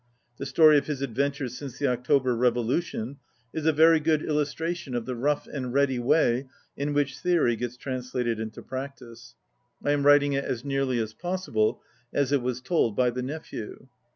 The story of his adventures since the October revolution is a very good illus tration of the rough and ready way in which theory gets translated into practice. I am writing it, as nearly as possible, as it was told by the nephew.